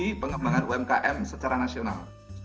dari pengembangan umkm secara nasional